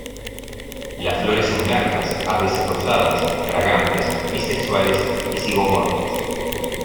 Las flores son blancas, a veces rosadas, fragantes, bisexuales y zigomorfas.